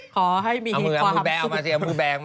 ขอให้มีความฝันสู้